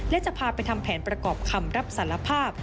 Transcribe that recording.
และจะพาไปทำแผนประกอบคำรับสารภาพ